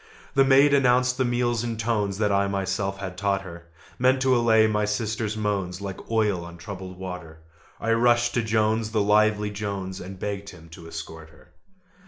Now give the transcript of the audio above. The maid announced the meal in tones That I myself had taught her, Meant to allay my sister's moans Like oil on troubled water: I rushed to Jones, the lively Jones, And begged him to escort her.